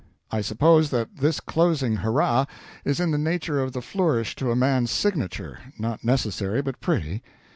I suppose that this closing hurrah is in the nature of the flourish to a man's signature not necessary, but pretty.